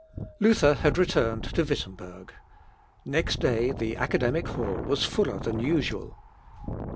Luther had returned to Wittemberg. Next day the academic hall was fuller than usual.